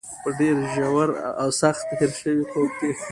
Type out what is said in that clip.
په ډېر ژور او سخت هېر شوي خوب کې.